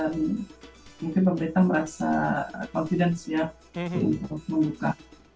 mungkin pemerintah merasa confidence ya untuk membuka